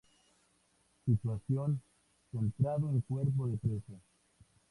Situación: centrado en cuerpo de presa.